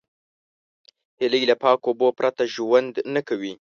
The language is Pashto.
هیلۍ له پاکو اوبو پرته ژوند نه کوي